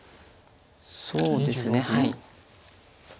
そうですねはい。